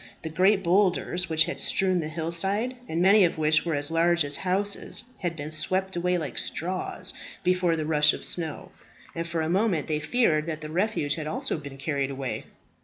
The great bowlders which had strewn the hill side, and many of which were as large as houses, had been swept away like straws before the rush of snow, and for a moment they feared that the refuge had also been carried away.